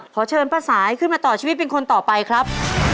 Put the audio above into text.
ขอเชิญป้าสายขึ้นมาต่อชีวิตเป็นคนต่อไปครับ